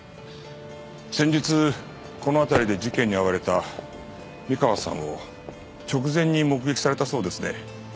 先日この辺りで事件に遭われた三河さんを直前に目撃されたそうですね。